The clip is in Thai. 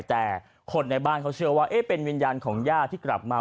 แต่คนในบ้านเขาเชื่อว่าเป็นวิญญาณของย่าที่กลับมา